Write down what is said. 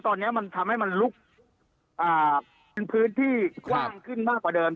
ตอนนี้มันทำให้มันลุกเป็นพื้นที่กว้างขึ้นมากกว่าเดิม